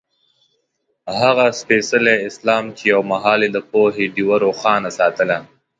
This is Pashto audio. هغه سپېڅلی اسلام چې یو مهال یې د پوهې ډېوه روښانه ساتله.